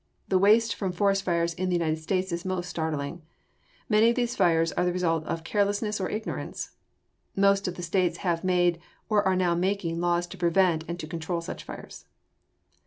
The waste from forest fires in the United States is most startling. Many of these fires are the result of carelessness or ignorance. Most of the states have made or are now making laws to prevent and to control such fires.